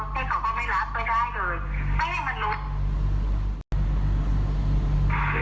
อ๋อนี่เขาก็ไม่รับไปได้เลยไม่ให้มันหลุด